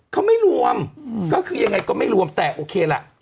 เขาไม่รวมก็คือยังไงก็ไม่รวมแต่โอเคล่ะ